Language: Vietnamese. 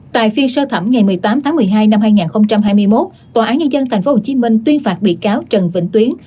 tại phiên sơ thẩm ngày một mươi tám tháng một mươi hai năm hai nghìn hai mươi một tòa án nhân dân tp hcm tuyên phạt bị cáo trần vĩnh tuyến